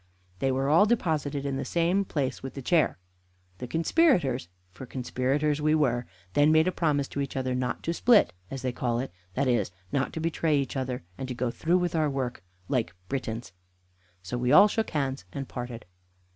They were all deposited in the same place with the chair. The conspirators (for conspirators we were) then made a promise to each other not to split, as they call it that is, not to betray each other, and to go through with our work like Britons; so we all shook hands and parted.